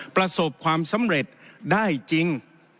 ประสบความสำเร็จได้จริง